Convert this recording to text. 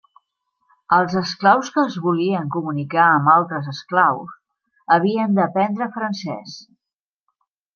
Els esclaus que es volien comunicar amb altres esclaus havien d'aprendre francès.